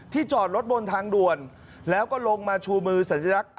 จอดรถบนทางด่วนแล้วก็ลงมาชูมือสัญลักษณ์